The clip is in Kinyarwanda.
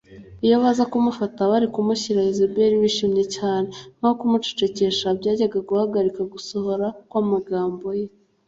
Iyo baza kumufata bari kumushyira Yezebeli bishimye cyane nkaho kumucecekesha byajyaga guhagarika gusohora kwamagambo ye